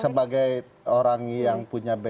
sebagai orang yang punya back